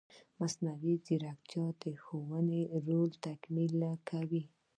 مصنوعي ځیرکتیا د ښوونکي رول تکمیلي کوي.